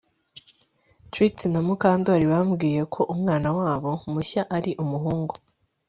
Trix na Mukandoli bambwiye ko umwana wabo mushya ari umuhungu